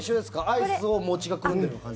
アイスを餅がくるんでる感じ？